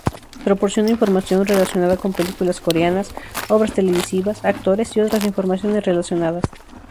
Proporciona información relacionada con películas coreanas, obras televisivas, actores, y otras informaciones relacionadas.